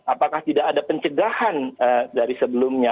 apakah tidak ada pencegahan dari sebelumnya